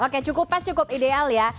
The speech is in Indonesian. oke cukup pas cukup ideal ya